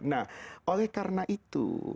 nah oleh karena itu